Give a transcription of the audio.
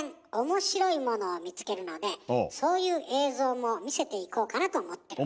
時々そういう映像も見せていこうかなと思ってるの。